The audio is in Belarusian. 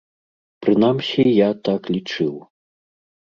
Прынамсі, я так лічыў.